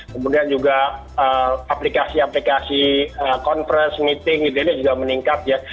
kemudian juga aplikasi aplikasi conference meeting juga meningkat ya